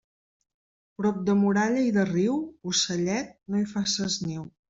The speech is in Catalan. Prop de muralla i de riu, ocellet, no hi faces niu.